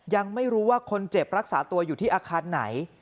ยังไม่รู้ว่าคนเจ็บรักษาตัวอยู่ที่อาคารไหน